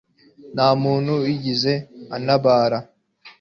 nta muntu wigeze antabara